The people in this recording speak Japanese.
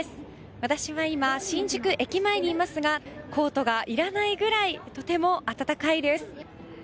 私は今、新宿駅前にいますがコートがいらないくらいとても暖かいです。